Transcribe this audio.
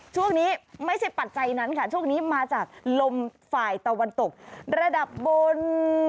ช่วงนี้ไม่ใช่ปัจจัยนั้นค่ะช่วงนี้มาจากลมฝ่ายตะวันตกระดับบน